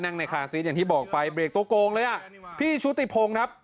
ในคาซีสอย่างที่บอกไปเบรกตัวโกงเลยอ่ะพี่ชุติพงศ์ครับ